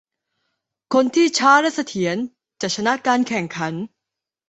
คนที่ช้าและเสถียรจะชนะการแข่งขัน